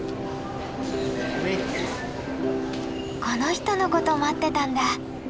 この人のこと待ってたんだ。